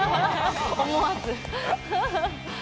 思わず。